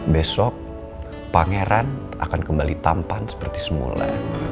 besok pangeran akan kembali tampan seperti semula